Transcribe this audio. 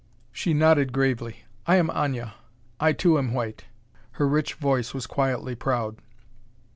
She nodded gravely. "I am Aña. I, too, am white." Her rich voice was quietly proud.